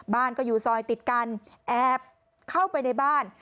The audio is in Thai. บ้านก็อยู่ซอยติดกันแอบเข้าไปในบ้าน